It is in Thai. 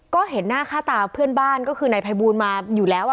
ก็เห็นหน้าค่าตาเพื่อนบ้านก็คือนายภัยบูลมาอยู่แล้ว